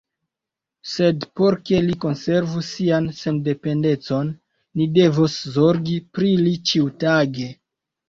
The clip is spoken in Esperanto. Sed por ke li konservu sian sendependecon, ni devos zorgi pri li ĉiutage.